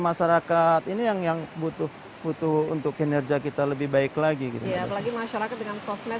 masyarakat ini yang yang butuh butuh untuk kinerja kita lebih baik lagi gitu ya apalagi masyarakat dengan sosmed